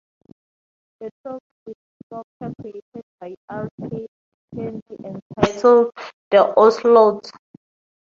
The trophy is a sculpture created by R. Tait MacKenzie entitled "The Onslaught".